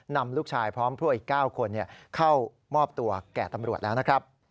นำลูกชายพร้อมพวกอีก๙คนเข้ามอบตัวแก่ตำรวจแล้วนะครับ